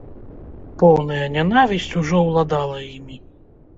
Поўная нянавісць ужо ўладала імі.